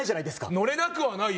乗れなくはないよ